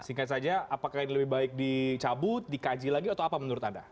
singkat saja apakah ini lebih baik dicabut dikaji lagi atau apa menurut anda